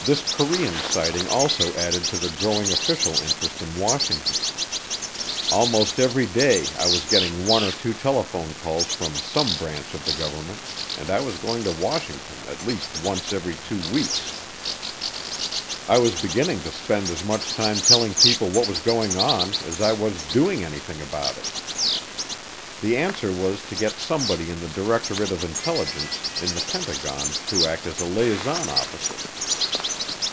This Korean sighting also added to the growing official interest in Washington. Almost every day I was getting one or two telephone calls from some branch of the government, and I was going to Washington at least once every two weeks. I was beginning to spend as much time telling people what was going on as I was doing anything about it. The answer was to get somebody in the Directorate of Intelligence in the Pentagon to act as a liaison officer.